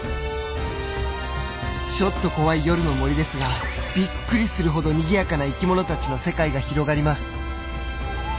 ちょっと怖い夜の森ですがびっくりするほどにぎやかな生きものたちの世界が広がります。